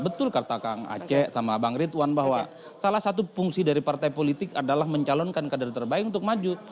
betul kata kang aceh sama bang ridwan bahwa salah satu fungsi dari partai politik adalah mencalonkan kader terbaik untuk maju